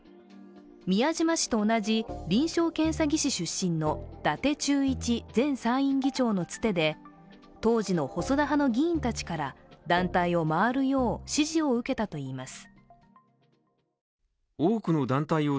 宮島氏と同じ臨床検査技師出身の伊達忠一前参院議長のつてで当時の細田派の議員たちから団体を回るよう指示を受けたといいます。